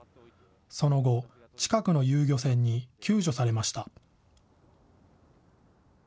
その後、近くの遊漁船に救助されました。